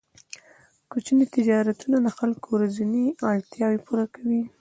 کوچني تجارتونه د خلکو ورځنۍ اړتیاوې پوره کوي.